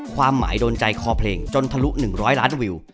ความหมายโดนใจคอเพลงจนทะลุ๑๐๐ล้านวิว